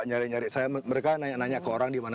nyari nyari saya mereka nanya ke orang di mana